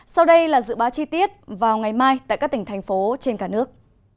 sau đây là dự báo chi tiết vào ngày mai tại các tỉnh thành phố trên cả nước